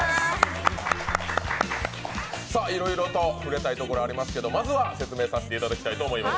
いろいろと触れたいところありますけどまずは説明させていただきたいと思います。